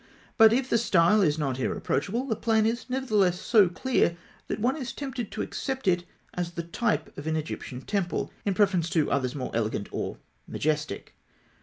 78); but if the style is not irreproachable, the plan is nevertheless so clear, that one is tempted to accept it as the type of an Egyptian temple, in preference to others more elegant or majestic.